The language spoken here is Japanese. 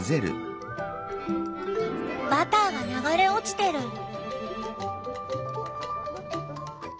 バターが流れ落ちてる。